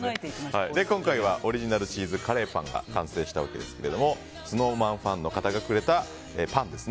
今回はオリジナルチーズカレーパンが完成したわけですがＳｎｏｗＭａｎファンの方がくれたパンですね。